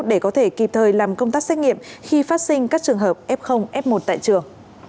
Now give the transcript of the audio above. để có thể kịp thời làm công tác xét nghiệm khi phát sinh các trường hợp f f một tại trường